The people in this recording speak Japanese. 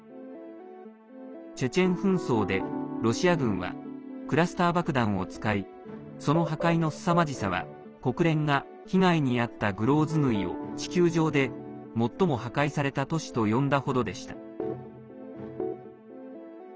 チェチェン紛争でロシア軍はクラスター爆弾を使いその破壊のすさまじさは国連が、被害に遭ったグローズヌイを地球上で最も破壊された都市と呼んだほどでした。